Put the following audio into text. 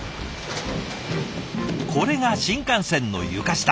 これが新幹線の床下。